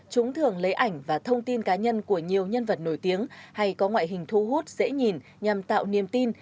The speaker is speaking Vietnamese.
chúng thường lấy ảnh và thông tin cá nhân của nhiều nhân vật nổi tiếng hay có ngoại hình thu hút dễ nhìn nhằm tạo niềm tin